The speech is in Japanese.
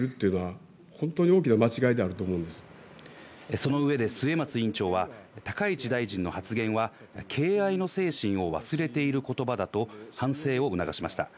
その上で末松委員長は高市大臣の発言は、敬愛の精神を忘れている言葉だと反省を促しました。